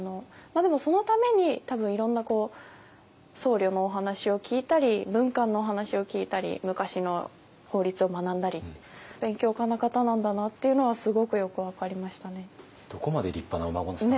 でもそのために多分いろんな僧侶のお話を聞いたり文官のお話を聞いたり昔の法律を学んだり勉強家な方なんだなというのはすごくよく分かりましたね。